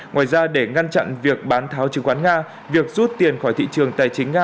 ngoài ra để ngăn chặn việc bán tháo chứng khoán nga việc rút tiền khỏi thị trường tài chính nga